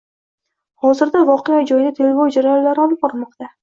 Hozirda voqea joyida tergov jarayonlari olib borilmoqda